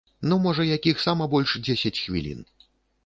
Ну, можа, якіх сама больш дзесяць хвілін.